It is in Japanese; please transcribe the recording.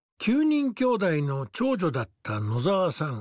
９人きょうだいの長女だった野澤さん。